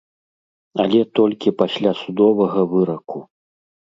Але толькі пасля судовага выраку.